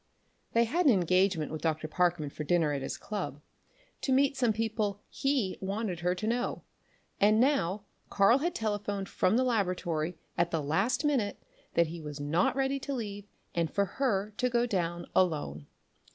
They had an engagement with Dr. Parkman for dinner at his club, to meet some people he wanted her to know, and now Karl had telephoned from the laboratory at the last minute that he was not ready to leave and for her to go on down alone.